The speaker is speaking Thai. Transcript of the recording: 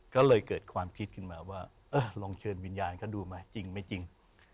ก็เลยเกิดความคิดขึ้นมาว่าเออลองเชิญวิญญาณเขาดูมาจริงไม่จริง